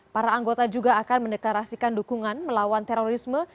para anggota juga akan mendeklarasikan dukungan melawan terorisme